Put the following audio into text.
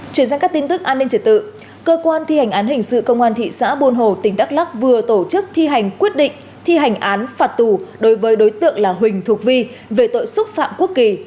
chuyển sang các tin tức an ninh trật tự cơ quan thi hành án hình sự công an thị xã buôn hồ tỉnh đắk lắc vừa tổ chức thi hành quyết định thi hành án phạt tù đối với đối tượng là huỳnh thuộc vi về tội xúc phạm quốc kỳ